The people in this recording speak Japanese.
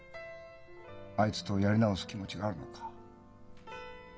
あいつとやり直す気持ちがあるのか？